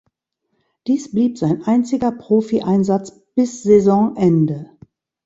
Dies blieb sein einziger Profieinsatz bis Saisonende.